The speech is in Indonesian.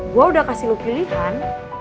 gue udah kasih lo pilihan